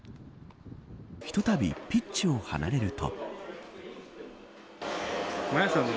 ひとたびピッチを離れると。